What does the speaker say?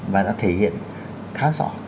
và nó thể hiện khá rõ